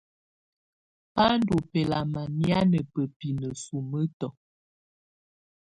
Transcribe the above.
Bá ndɔ́ bɛ́lamá nɛ̀á ná bǝ́pinǝ sumǝ́tɔ̀.